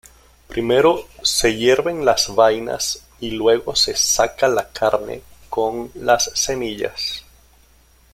Primero, se hierven las vainas y luego se saca la carne con las semillas.